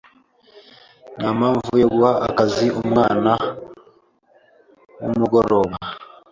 Ntampamvu yo guha akazi umwana wumugoroba.